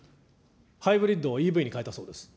ハイブリッドをＥＶに変えたそうです。